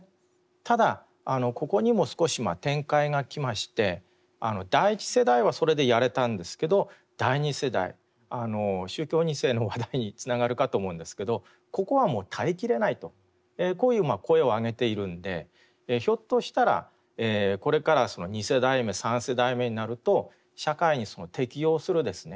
ただここにも少し展開がきまして第１世代はそれでやれたんですけど第２世代宗教２世の話題につながるかと思うんですけどここはもう耐えきれないとこういう声を上げているんでひょっとしたらこれから２世代目３世代目になると社会に適応するですね